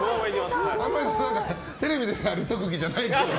あんまりテレビでやる特技じゃないと思うけど。